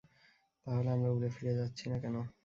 তাহলে আমরা উড়ে ফিরে যাচ্ছি না কেন?